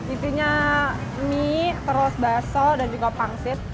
isinya mie terus bakso dan juga pangsit